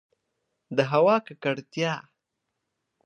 د هوا ککړتیا